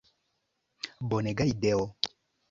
Bonega ideo!